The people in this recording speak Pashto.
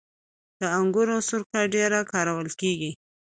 د انګورو سرکه ډیره کارول کیږي.